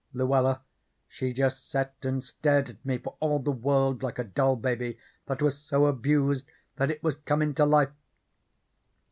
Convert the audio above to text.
"Luella she jest set and stared at me for all the world like a doll baby that was so abused that it was comin' to life.